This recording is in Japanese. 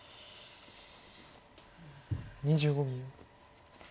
２５秒。